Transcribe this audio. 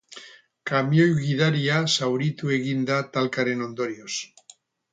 Kamioi gidaria zauritu egin da talkaren ondorioz.